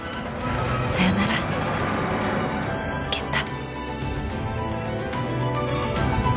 さようなら健太。